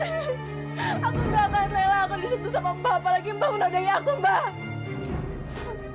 aku tidak akan lelah